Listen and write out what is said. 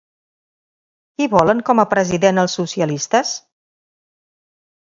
Qui volen com a president els socialistes?